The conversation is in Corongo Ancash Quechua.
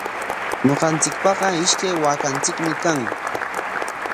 Ñuqanchikpaqa ishkay waakanchikmi kan.